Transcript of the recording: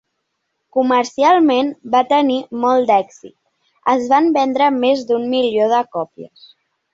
Comercialment va tenir molt d'èxit, es van vendre més d'un milió de còpies.